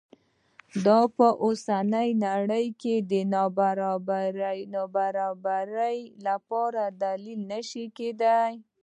دا په اوسنۍ نړۍ کې د نابرابرۍ لپاره دلیل نه شي کېدای.